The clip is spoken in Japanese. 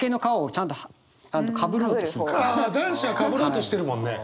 ああ男子はかぶろうとしてるもんね。